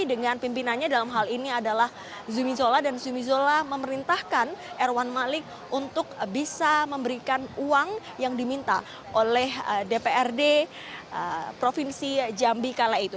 dengan pimpinannya dalam hal ini adalah zumi zola dan zumi zola memerintahkan erwan malik untuk bisa memberikan uang yang diminta oleh dprd provinsi jambi kala itu